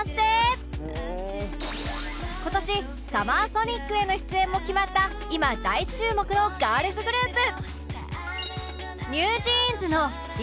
今年 ＳＵＭＭＥＲＳＯＮＩＣ への出演も決まった今大注目のガールズグループ